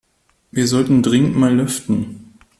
Wir sollten dringend mal lüften.